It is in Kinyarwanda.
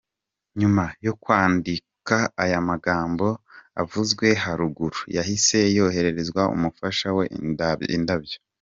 Nyuma yo kwandika aya magambo avuzwe haruguru, yahise yoherereza umufasha we indabyo.